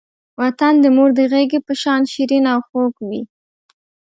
وطن د مور د غېږې په شان شیرین او خوږ وی.